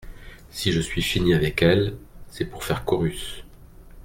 Si je suis fini avec elle… c’est pour faire chorus !…